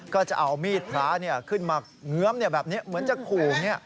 ก็จะเอามีดพระขึ้นมาเงื้อมแบบนี้เหมือนจะขู่